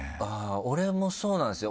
俺もそうなんですよ